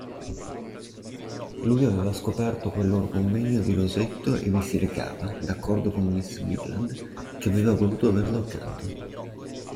Lui aveva scoperto quel loro convegno di Rosetto e vi si recava, d'accordo con miss Bigland, che aveva voluto averlo accanto.